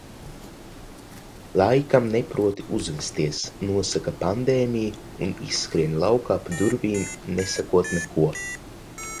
"Laikam neproti uzvesties," nosaka pandēmija un izskrien laukā pa durvīm nesakot neko.